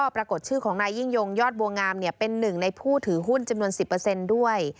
ปรากฏชื่อของนายยิ่งยงยอดบัวงามเป็นหนึ่งในผู้ถือหุ้นจำนวน๑๐ด้วย